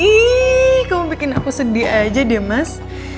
ihhh kamu bikin aku sedih aja deh mas